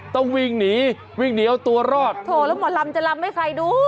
ต้องวิ่งหนีวิ่งหนีเอาตัวรอดโถแล้วหมอลำจะลำให้ใครดู